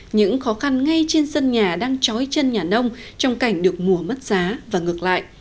những khó khăn ngay trên sân nhà đang trói chân nhà nông trong cảnh được mùa mất giá và ngược lại